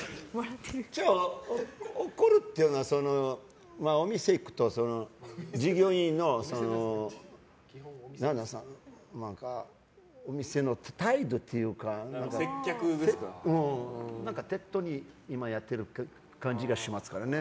怒るっていうのはお店に行くと、従業員の態度というか適当に今やっている感じがしますからね。